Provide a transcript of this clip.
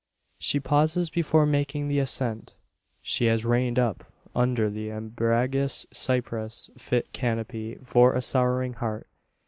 She pauses before making the ascent. She has reined up under the umbrageous cypress fit canopy for a sorrowing heart.